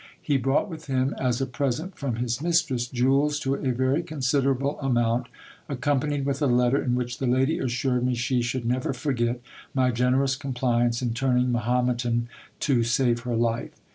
He brought with him, as a present from his mistress, jewels to a very considerable amount, accompanied with a letter, in which the lady assured me she should never forget my generous compliance, in turning Mahometan to save her life.